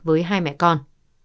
với hai mẹ con